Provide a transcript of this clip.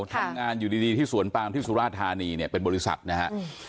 ทำงานอยู่ดีที่สวนปามที่สุราธานีเนี่ยเป็นบริษัทนะฮะ